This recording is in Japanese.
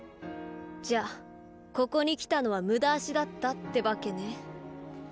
じゃここに来たのは無駄足だったってわけね。